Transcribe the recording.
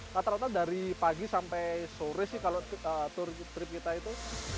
rata rata dari pagi sampai sore sih kalau trip kita itu